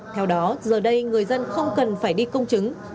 theo đó giờ đây người dân không cần phải đi công chứng